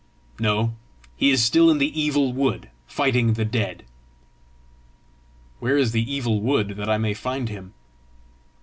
"No; he is still in the Evil Wood, fighting the dead." "Where is the Evil Wood, that I may find him?"